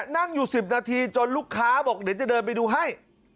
นั่งอยู่๑๐นาทีจนลูกค้าบอกเดี๋ยวจะเดินไปดูให้